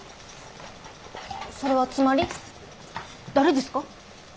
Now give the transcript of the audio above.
それはつまり誰ですか？